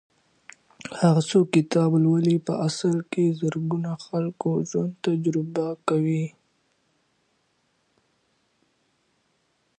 هغه څوک چې کتاب لولي په اصل کې د زرګونو خلکو ژوند تجربه کوي.